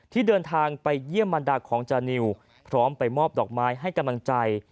เดินทางไปเยี่ยมบรรดาของจานิวพร้อมไปมอบดอกไม้ให้กำลังใจ